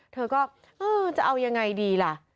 เธอก็เออจะเอายังไงดีล่ะ